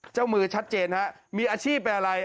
เจ้ามือชัดเจนฮะมีอาชีพเป็นอะไร